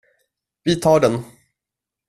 Vi tar den.